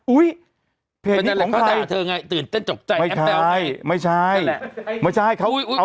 อุ๊ยเพจนี้ของใคร